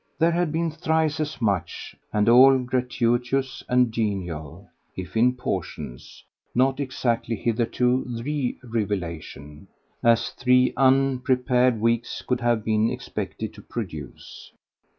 There had been thrice as much, and all gratuitous and genial if, in portions, not exactly hitherto THE revelation as three unprepared weeks could have been expected to produce.